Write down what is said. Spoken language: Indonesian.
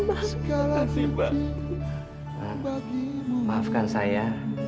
terima kasih mbak maafkan saya